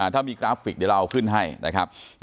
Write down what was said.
ถ้ามีกราฟิกเดี๋ยวเราเอาขึ้นให้นะครับ